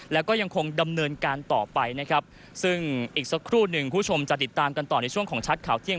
แล้วก็ยังคงดำเนินการต่อไปนะครับซึ่งอีกสักครู่หนึ่งคุณผู้ชมจะติดตามกันต่อในช่วงของชัดข่าวเที่ยง